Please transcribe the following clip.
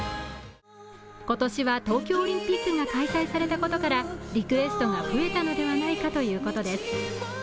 今年は東京オリンピックが開催されたことからリクエストが増えたのではないかということです。